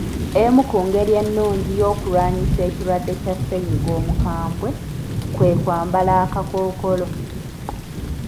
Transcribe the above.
Emu ku ngeri ennungi y'okulwanisa ekirwadde kya ssennyiga omukambwe, kwe kwambala akakookolo.